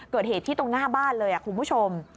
เกิดเหตุที่ตรงหน้าบ้านเลยคุณผู้ชม